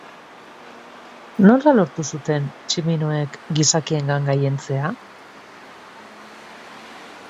Nola lortu zuten tximinoek gizakiengan gailentzea?